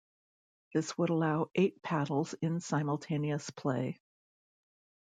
This would allow eight paddles in simultaneous play.